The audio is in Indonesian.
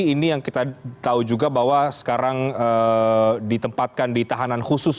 ini yang kita tahu juga bahwa sekarang ditempatkan di tahanan khusus